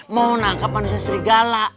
mau nangkap manusia serigala